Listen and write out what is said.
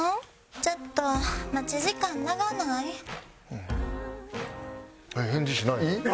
ちょっと待ち時間長ない？えっ！